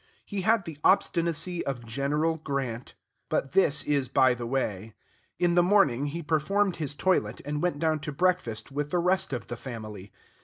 He had the obstinacy of General Grant. But this is by the way. In the morning, he performed his toilet and went down to breakfast with the rest of the family.